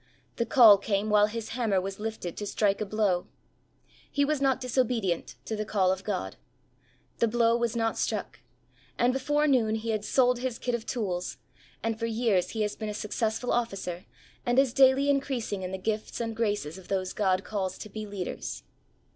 The call came while his hammer was lifted to strike a blow. He was not disobedient to the call of God. The blow was not struck, and before noon he had sold his kit of tools and for years he has been a successful Officer and is daily increasing in the gifts and graces of those God calls to be leaders.